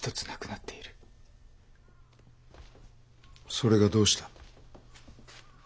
それがどうした？